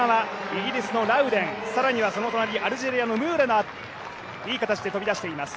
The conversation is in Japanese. イギリスのラウデン、更にはその隣にはアルジェリアのムーラがいい形で飛び出しています。